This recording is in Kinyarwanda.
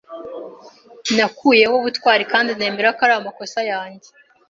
Nakuyeho ubutwari kandi nemera ko ari amakosa yanjye.